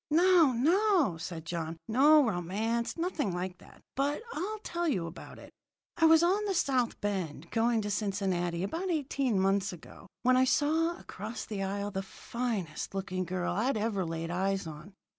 "No, no," said John. "No romance nothing like that! But I'll tell you about it. "I was on the south bound, going to Cincinnati, about eighteen months ago, when I saw, across the aisle, the finest looking girl I'd ever laid eyes on.